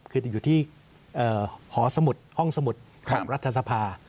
คือจะอยู่ที่หอสมุดห้องสมุดของรัฐสภา